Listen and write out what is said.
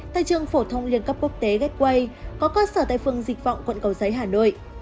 tại trường phổ thông liên cấp quốc tế gateway có cơ sở tại phương dịch vọng quận cầu giấy hà nội